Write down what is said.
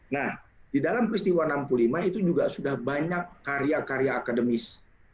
nah di dalam peristiwa enam puluh lima itu juga sudah banyak karya karya akademis